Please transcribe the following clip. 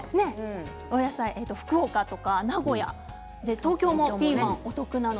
福岡とか名古屋、東京もピーマンがお得です。